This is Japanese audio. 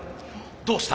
どうした？